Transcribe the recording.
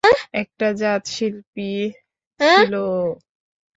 একটা জাত শিল্পী ছিল ও।